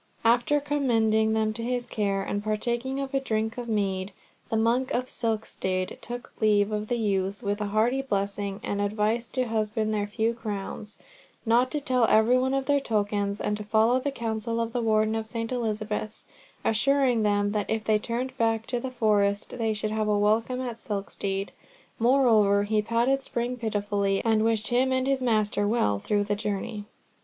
After commending them to his care, and partaking of a drink of mead, the monk of Silkstede took leave of the youths, with a hearty blessing and advice to husband their few crowns, not to tell every one of their tokens, and to follow the counsel of the Warden of St. Elizabeth's, assuring them that if they turned back to the Forest, they should have a welcome at Silkstede. Moreover he patted Spring pitifully, and wished him and his master well through the journey.